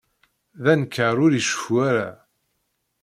D anekkar ur iceffu ara.